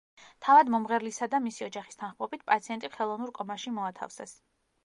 თავად მომღერლისა და მისი ოჯახის თანხმობით, პაციენტი ხელოვნურ კომაში მოათავსეს.